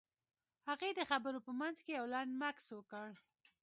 هغې د خبرو په منځ کې يو لنډ مکث وکړ.